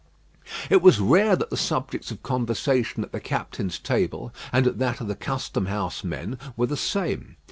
It was rare that the subjects of conversation at the captains' table and at that of the custom house men were the same.